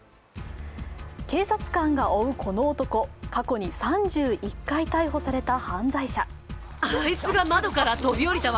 警察官が追うこの男、過去に３１回逮捕された犯罪者。